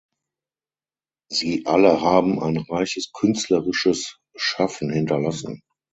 Sie alle haben eine reiches künstlerisches Schaffen hinterlassen.